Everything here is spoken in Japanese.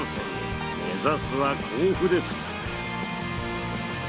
目指すは甲府です。